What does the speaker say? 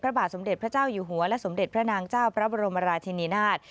พระบาทสมเด็จพระเจ้าอยู่หัวและสมเด็จพระนางเจ้าพระบรมราชินีนาฏ